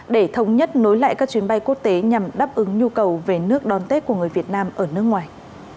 để thống nhất nối lại các chuyến bay quốc tế nhằm đáp ứng nhu cầu về nước đón tết của người việt nam ở nước ngoài